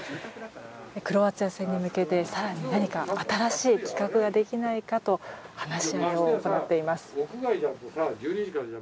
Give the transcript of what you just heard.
クロアチア戦に向けて更に何か新しい企画ができないかと話し合いを行っています。